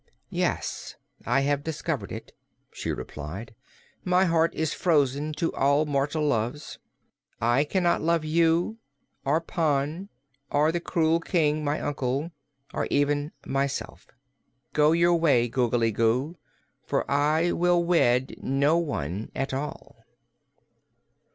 "Yes; I have discovered it," she replied. "My heart is frozen to all mortal loves. I cannot love you, or Pon, or the cruel King my uncle, or even myself. Go your way, Googly Goo, for I will wed no one at all."